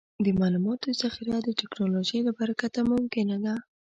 د معلوماتو ذخیره د ټکنالوجۍ له برکته ممکنه ده.